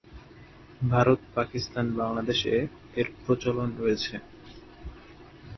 ভারত, পাকিস্তান, বাংলাদেশে এর প্রচলন রয়েছে।